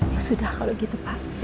ya sudah kalau gitu pak